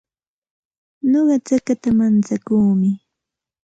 Nuqa chakata mantsakuumi.